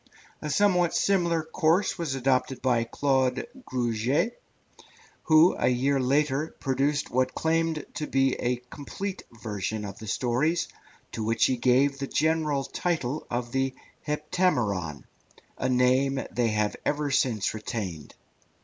A somewhat similar course was adopted by Claude Gruget, who, a year later, produced what claimed to be a complete version of the stories, to which he gave the general title of the Heptameron, a name they have ever since retained.